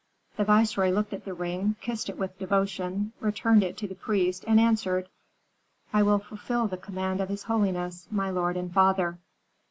The viceroy looked at the ring, kissed it with devotion, returned it to the priest, and answered, "I will fulfil the command of his holiness, my lord and father."